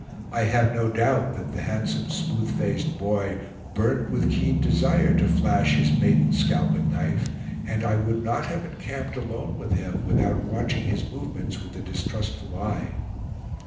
I have no doubt that the handsome smooth faced boy burned with keen desire to flash his maiden scalping knife, and I would not have encamped alone with him without watching his movements with a distrustful eye.